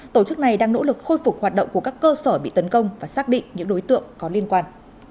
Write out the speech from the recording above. tổ chức này đang nỗ lực khôi phục hoạt động của các cơ sở bị tấn công và xác định những đối tượng có liên quan